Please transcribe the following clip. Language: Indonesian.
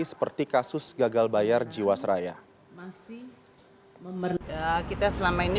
seperti kasus gagal bayar jiwasraya